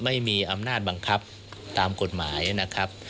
ไม่มีอำนาจบังคับตามกฎหมายนะครับ